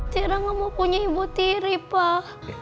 tiara ga mau punya ibu tiri pak